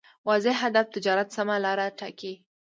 واضح هدف تجارت سمه لاره ټاکي.